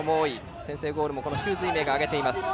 先制ゴールも朱瑞銘が挙げています。